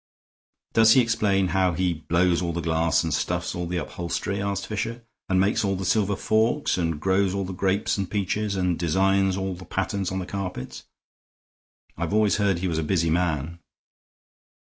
"Does he explain how he blows all the glass and stuffs all the upholstery," asked Fisher, "and makes all the silver forks, and grows all the grapes and peaches, and designs all the patterns on the carpets? I've always heard he was a busy man."